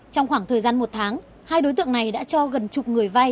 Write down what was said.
trong khoảng thời gian một tháng hai đối tượng này đã cho gần chục người vay